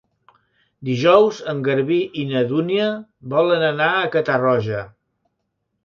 Dijous en Garbí i na Dúnia volen anar a Catarroja.